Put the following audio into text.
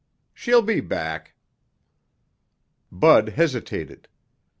She'll be back." Bud hesitated.